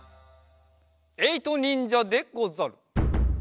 えいとにんじゃでござる。